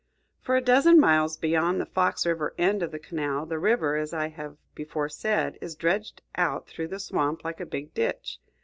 For a dozen miles beyond the Fox River end of the canal the river, as I have before said, is dredged out through the swamp like a big ditch.